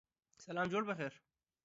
سلام جوړ پخیر